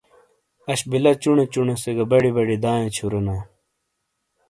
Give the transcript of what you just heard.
اش بیلہ چُونے چُونے سے گہ بڑی بڑی دایئے چُھورینا ۔